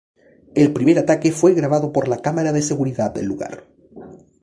El primer ataque fue grabado por la cámara de seguridad del lugar.